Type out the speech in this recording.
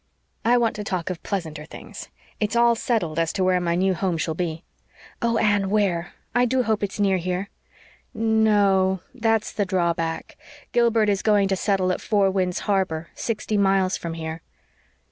I want to talk of pleasanter things. It's all settled as to where my new home shall be." "Oh, Anne, where? I do hope it's near here." "No o o, that's the drawback. Gilbert is going to settle at Four Winds Harbor sixty miles from here."